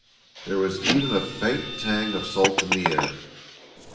There was even a faint tang of salt in the air.